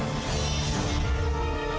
assalamualaikum warahmatullahi wabarakatuh